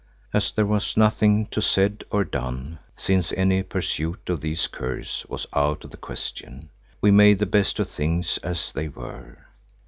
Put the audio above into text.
As there was nothing to be said or done, since any pursuit of these curs was out of the question, we made the best of things as they were.